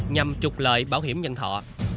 nhằm trục lợi bảo hiểm nhân thọ